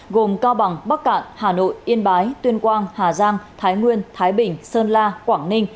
gồm cao bằng bắc cạn hà nội yên bái tuyên quang hà giang thái nguyên thái bình sơn la quảng ninh